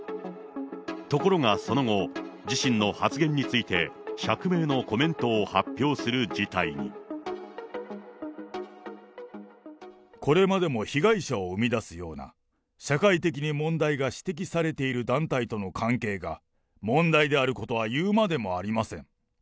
ところがその後、自身の発言について、これまでも被害者を生み出すような、社会的に問題が指摘されている団体との関係が問題であることは言うまでもありません。